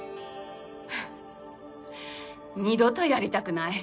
ははっ二度とやりたくない。